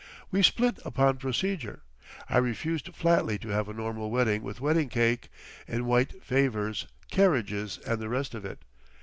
We split upon procedure. I refused flatly to have a normal wedding with wedding cake, in white favours, carriages and the rest of it.